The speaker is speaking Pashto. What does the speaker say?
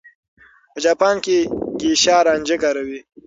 په جاپان کې ګېشا رانجه کاروي.